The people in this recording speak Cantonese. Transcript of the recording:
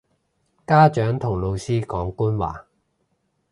家長同老師講官話